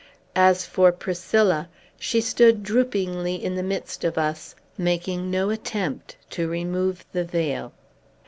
As for Priscilla, she stood droopingly in the midst of us, making no attempt to remove the veil.